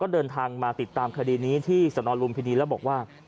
เดินทางมาติดตามคดีนี้ที่สนลุมพินีแล้วบอกว่า